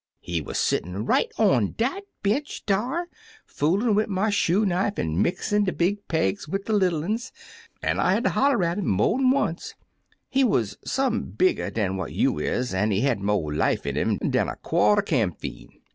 He wuz settin' right on dat bench dar, foolin' wid my shoe knife an' mixin' de big pegs wid de little uns, an' I hatter holla at 'im 82 Two Fat Pullets mo'n once. He wuz some bigger dan what you is, an' he had mo' life in him dan a quart er camphene.